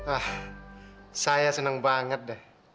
ah saya seneng banget deh